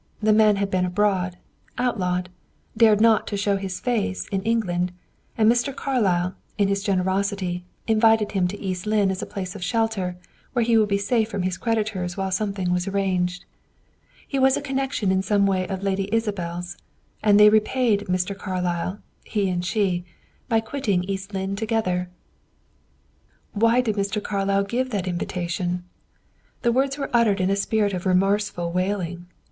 The man had been abroad; outlawed; dared not show his face in England; and Mr. Carlyle, in his generosity, invited him to East Lynne as a place of shelter, where he would be safe from his creditors while something was arranged. He was a connection in some way of Lady Isabel's, and they repaid Mr. Carlyle, he and she, by quitting East Lynne together." "Why did Mr. Carlyle give that invitation?" The words were uttered in a spirit of remorseful wailing. Mrs.